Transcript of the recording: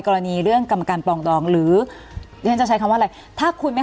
กรณีเรื่องกรรมการปรองดองหรือดิฉันจะใช้คำว่าอะไรถ้าคุณไม่